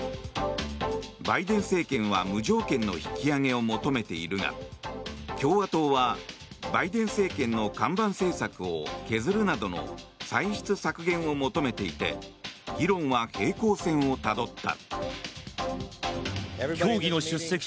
バイデン政権は無条件の引き上げを求めているが共和党はバイデン政権の看板政策を削るなどの歳出削減を求めていて議論は平行線をたどった。